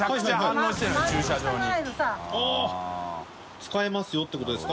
使えますよ」ってことですか